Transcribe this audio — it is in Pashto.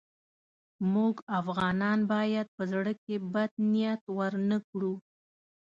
موږ افغانان باید په زړه کې بد نیت ورنه کړو.